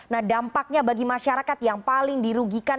nah dampaknya bagi masyarakat yang paling dirugikan